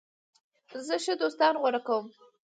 زه ښه دوستان غوره کوم.